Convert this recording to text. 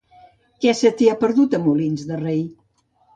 Què se t'hi ha perdut, a Molins de Rei?